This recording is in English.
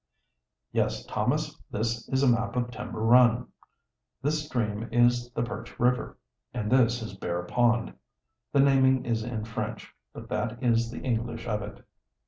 "Yes, Thomas, this is a map of Timber Run. This stream is the Perch River, and this is Bear Pond. The naming is in French, but that is the English of it."